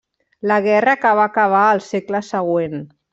La guerra que va acabar al segle següent.